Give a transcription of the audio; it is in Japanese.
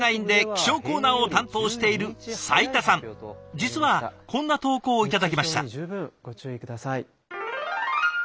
実はこんな投稿を頂きました。